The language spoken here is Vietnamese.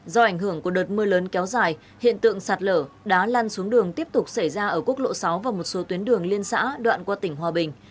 do ảnh hưởng của đợt mưa lớn kéo dài hiện tượng sạt lở đá lan xuống đường tiếp tục xảy ra ở quốc lộ sáu và một số tuyến đường liên xã đoạn qua tỉnh hòa bình